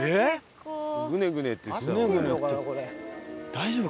大丈夫か？